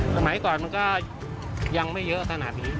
สมัยก่อนมันก็ยังไม่เยอะขนาดนี้